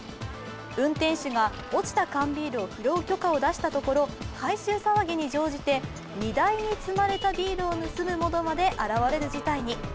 運転手が落ちた缶ビールを拾う許可を出したところ、回収騒ぎに乗じて荷台に積まれたビールを盗む者まで現れる事態に。